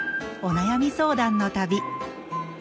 お悩み相談の旅。